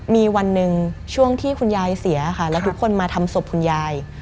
มีวันหนึ่งช่วงที่คุณยายเสียค่ะแล้วทุกคนมาทำศพคุณยาย